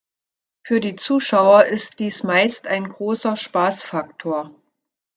Für die Zuschauer ist dies meist ein großer Spaßfaktor.